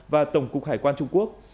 và tổng cục hải quan trung quốc